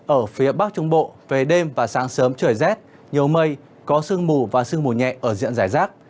ở phía bắc trung bộ về đêm và sáng sớm trời rét nhiều mây có sương mù và sương mù nhẹ ở diện giải rác